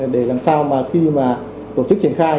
để làm sao mà khi mà tổ chức triển khai